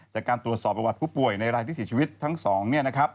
จากการตรวจสอบประวัติผู้ป่วยในรายที่สิทธิ์ชีวิตทั้งสอง